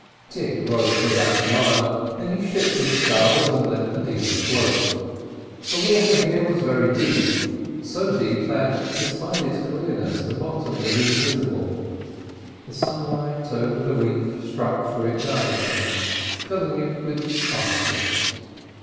Dick rowed for about a mile, then he shipped his sculls, and let the dinghy float. The water here was very deep; so deep that, despite its clearness, the bottom was invisible; the sunlight over the reef struck through it diagonally, filling it with sparkles.